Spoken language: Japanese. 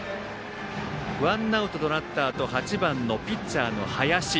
ワンアウトとなったあと８番のピッチャーの林。